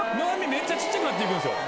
めっちゃちっちゃくなっていくんですよ。